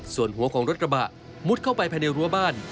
ส่วนหัวของรถกระบะมุดเข้าไปภายในรั้วบ้าน